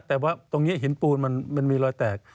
แต่ว่าตรงนี้หินปูนมันมีรอยแตก